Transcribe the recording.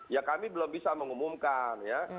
ya kami belum bisa mengumumkan ya